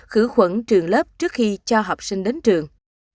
khử khuẩn trường lớp trước khi cho học sinh đến trường